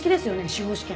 司法試験。